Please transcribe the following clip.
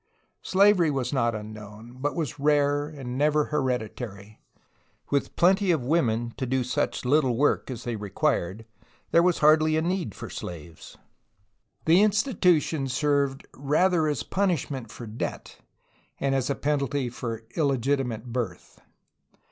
Slavery was not unknown, but was rare and never hered itary. With plenty of women to do such little work as they required there was hardly a need for slaves. The institution served rather as a punishment for debt and as a penalty for illegitimate birth.